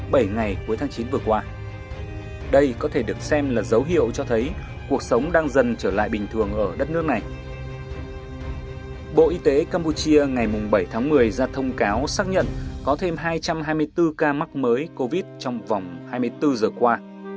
bộ y tế campuchia ngày bảy tháng một mươi ra thông cáo xác nhận có thêm hai trăm hai mươi bốn ca mắc mới covid trong vòng hai mươi bốn giờ qua